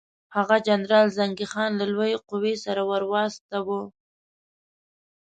هغه جنرال زنګي خان له لویې قوې سره ورواستاوه.